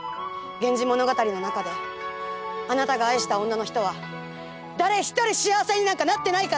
「源氏物語」の中であなたが愛した女の人は誰一人幸せになんかなってないから！